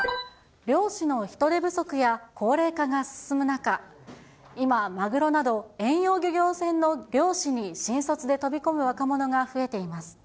漁師の人手不足や高齢化が進む中、今、マグロなど遠洋漁業船の漁師に新卒で飛び込む若者が増えています。